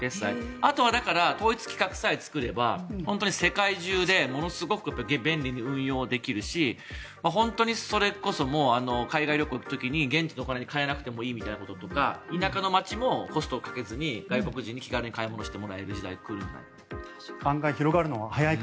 あとは統一規格さえ作れば世界中でものすごく便利に運用できるし本当にそれこそ海外旅行に行く時に現地のお金で買えなくてもいいとか田舎の町もコストをかけずに外国人に気軽に買い物をしてもらえる時代が来るんじゃないかと。